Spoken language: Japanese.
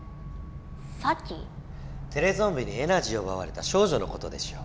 テレゾンビにエナジーをうばわれた少女のことでしょう。